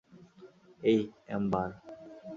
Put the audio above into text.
এই, এম্বার।